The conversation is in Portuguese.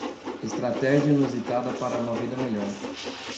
Estratégia inusitada para uma vida melhor